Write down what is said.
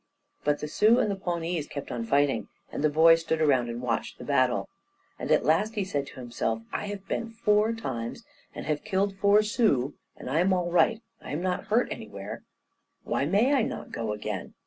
But the Sioux and the Pawnees kept on fighting, and the boy stood around and watched the battle. And at last he said to himself, "I have been four times and have killed four Sioux, and I am all right, I am not hurt anywhere; why may I not go again?"